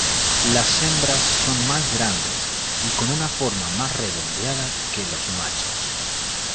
Las hembras son más grandes y con una forma más redondeada que los machos.